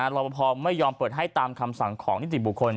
รอปภไม่ยอมเปิดให้ตามคำสั่งของนิติบุคคล